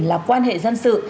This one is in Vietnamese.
là quan hệ dân sự